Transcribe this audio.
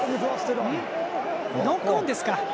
ノックオンですか。